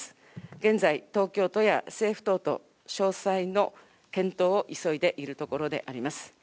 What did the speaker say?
現在、東京都や政府等と詳細の検討を急いでいる所であります。